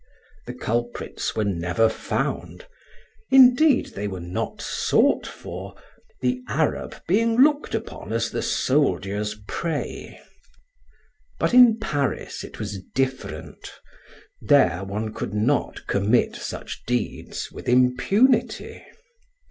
The culprits were never found; indeed, they were not sought for, the Arab being looked upon as the soldier's prey. But in Paris it was different; there one could not commit such deeds with impunity.